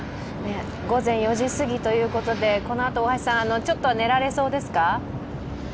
午前４時すぎということで、このあと、大橋さん、ちょっと寝られそうですか？